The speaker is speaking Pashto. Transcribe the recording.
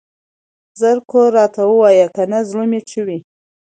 زر کوه راته ووايه کنه زړه مې چوي.